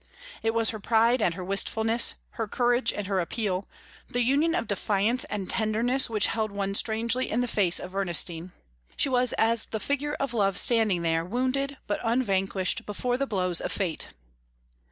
It was her pride and her wistfulness, her courage and her appeal, the union of defiance and tenderness which held one strangely in the face of Ernestine. She was as the figure of love standing there wounded but unvanquished before the blows of fate.